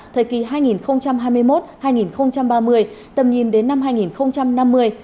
thời kỳ hai nghìn hai mươi một hai nghìn ba mươi tầm nhìn đến năm hai nghìn năm mươi